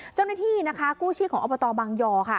เจ้าหน้าที่นะคะกู้ชีพของอบตบางยอค่ะ